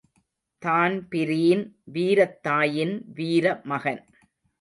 Dan Breen, வீரத் தாயின் வீர மகன்.